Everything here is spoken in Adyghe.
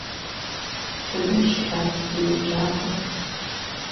Тыдэ щыӏа тиеджапӏэ?